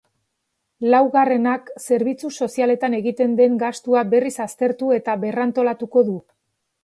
Laugarrenak zerbitzu sozialetan egiten den gastua berriz aztertu eta berrantolatuko du.